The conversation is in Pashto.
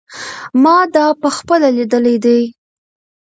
ما دا په خپله لیدلی دی.